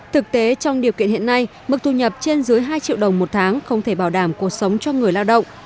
thực tế trong điều kiện hiện nay mức thu nhập trên dưới hai triệu đồng một tháng không thể bảo đảm cuộc sống cho người lao động